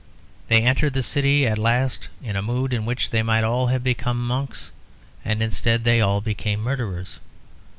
They entered the city at last in a mood in which they might all have become monks; and instead they all became murderers.